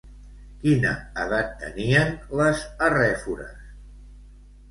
Quina edat tenien les arrèfores?